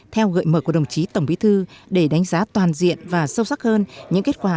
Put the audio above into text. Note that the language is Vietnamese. theo gợi mở của đồng chí tổng bí thư để đánh giá toàn diện và sâu sắc hơn những kết quả